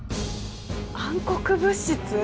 暗黒物質！